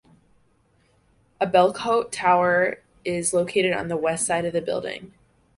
A bellcote tower is located on the west side of the building.